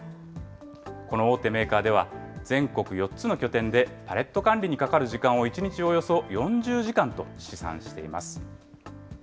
この大手メーカーでは、全国４つの拠点で、パレット管理にかかる時間を、１日およそ４０時間と試算しています。